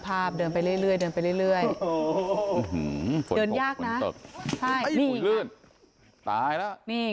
บาดหักไปส่วนนึง